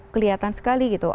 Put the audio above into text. kelihatan sekali gitu